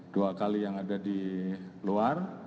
dua kali yang ada di luar